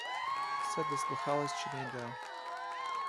Все дослухалась, чи не йде.